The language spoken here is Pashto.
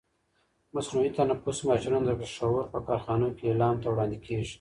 مصنوعي تنفس ماشینونه د پښاور په کارخانو کې لیلام ته وړاندې کېږي.